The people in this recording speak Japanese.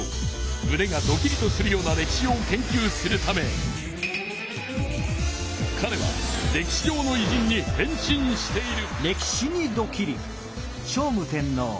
むねがドキリとするような歴史を研究するためかれは歴史上のいじんに変身している。